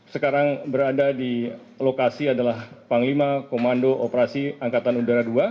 sekarang berada di lokasi adalah panglima komando operasi angkatan udara ii